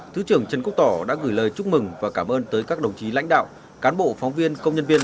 thứ trưởng trần quốc tỏ đã gửi lời chúc mừng và cảm ơn tới các đồng chí lãnh đạo cán bộ phóng viên công nhân viên